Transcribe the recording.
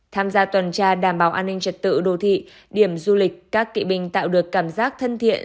tham gia tuần tra đảm bảo an ninh trật tự đô thị điểm du lịch các kỵ binh tạo được cảm giác thân thiện